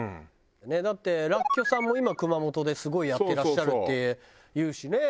だってらっきょさんも今熊本ですごいやってらっしゃるっていうしね。